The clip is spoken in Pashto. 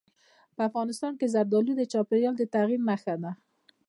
افغانستان کې زردالو د چاپېریال د تغیر نښه ده.